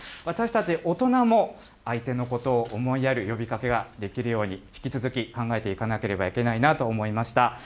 私たち大人も、相手のことを思いやる呼びかけができるように、引き続き考えていかなければいけないなと思いました。